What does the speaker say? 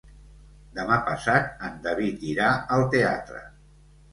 Demà passat en David irà al teatre.